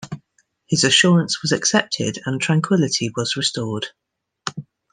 His assurance was accepted and tranquillity was restored.